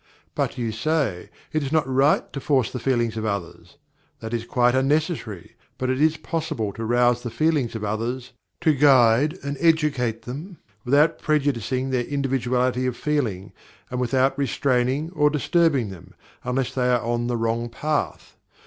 But you say, "It is not right to force the feelings of others!" That is quite unnecessary; but it is possible to rouse the feelings of others, to guide and educate them, without prejudicing their individuality of feeling, and without restraining or disturbing them, unless they are on the wrong path.